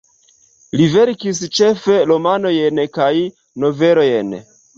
Li verkis ĉefe romanojn kaj novelojn.